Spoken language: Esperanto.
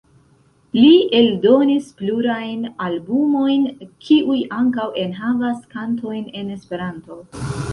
Li eldonis plurajn albumojn kiuj ankaŭ enhavas kantojn en Esperanto.